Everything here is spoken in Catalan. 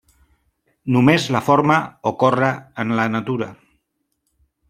Només la forma ocorre en la natura.